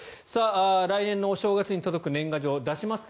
来年のお正月に届く年賀状出しますか？